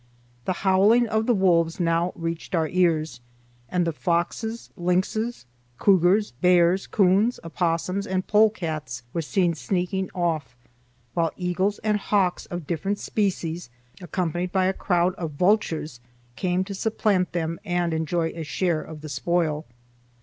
The howling of the wolves now reached our ears, and the foxes, lynxes, cougars, bears, coons, opossums, and polecats were seen sneaking off, while eagles and hawks of different species, accompanied by a crowd of vultures, came to supplant them and enjoy a share of the spoil.